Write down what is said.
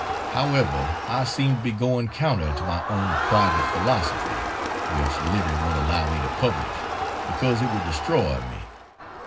However, I seem to be going counter to my own Private Philosophy which Livy won't allow me to publish because it would destroy me.